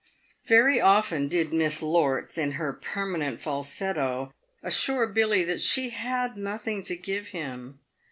Yery often did Miss Lorts, in her permanent falsetto, assure Billy that she had nothing to give him.